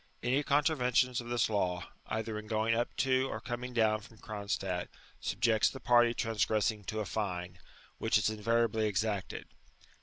Any contravention of this law, ^tfaer in going up to or •coming down from Cronstadt, subjects the party transgressing to a fine, which is invariably exacted.